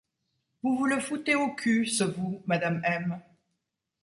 Vous vous le foutez au cul, ce « vous » Madame M.